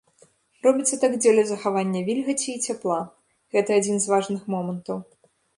Робіцца так дзеля захавання вільгаці і цяпла, гэта адзін з важных момантаў.